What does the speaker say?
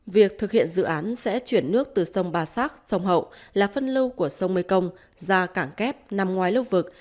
việc thực hiện dự án sẽ chuyển nước từ sông ba sát sông hậu là phân lô của sông mekong ra cảng kép nằm ngoài lâu vực